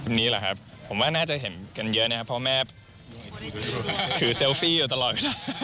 วันนี้หรอครับผมว่าน่าจะเห็นกันเยอะนะครับเพราะว่าแม่ถือเซลฟี่อยู่ตลอด